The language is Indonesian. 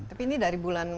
tapi ini dari bulan